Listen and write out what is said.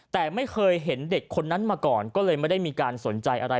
แต่ไม่เคยเห็นเด็กคนนั้นมาก่อนก็เลยไม่ได้มีการสนใจอะไร